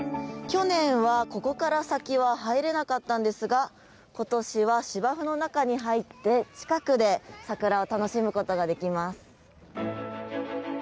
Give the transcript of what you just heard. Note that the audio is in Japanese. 去年は、ここから先は入れなかったんですが今年は芝生の中に入って近くで桜を楽しむことができます。